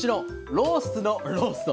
ロースのロースト？